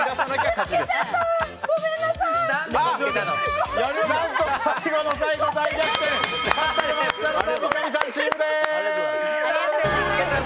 勝ったのは設楽さん・三上さんチームです！